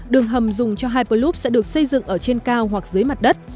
đường hầm dùng cho hyperloop sẽ được xây dựng ở trên cao hoặc dưới mặt đất